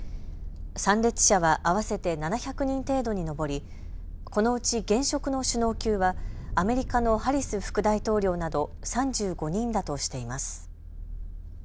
参列者は合わせて７００人程度に上り、このうち現職の首脳級はアメリカのハリス副大統領など３５人だとしています。